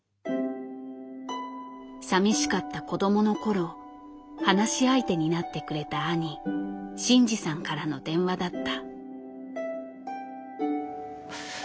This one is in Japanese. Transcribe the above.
さみしかった子供の頃話し相手になってくれた兄晋治さんからの電話だった。